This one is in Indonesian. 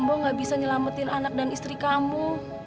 kamu gak bisa nyelamatin anak dan istri kamu